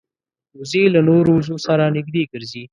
وزې له نورو وزو سره نږدې ګرځي